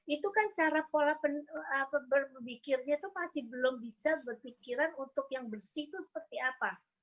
itu kan cara pola berpikirnya itu masih belum bisa berpikiran untuk yang bersih itu seperti apa